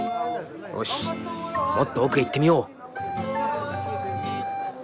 よしもっと奥へ行ってみよう。